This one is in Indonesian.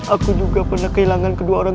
aku juga pernah kehilangan kedua orang